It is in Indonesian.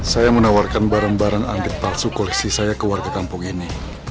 saya menawarkan barang barang antik palsu koleksi saya ke warga kampung ini